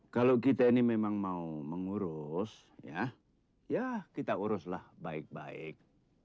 kalau kita ini memang mau mengurus ya kita uruslah baik baik